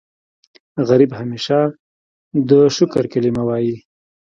غریب همیشه د شکر کلمه وايي